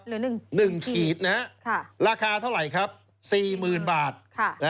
หนึ่งหนึ่งขีดนะฮะค่ะราคาเท่าไรครับสี่หมื่นบาทค่ะ